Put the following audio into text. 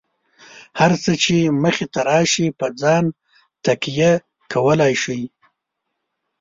هر څه چې مخې ته راشي، په ځان تکیه کولای شئ.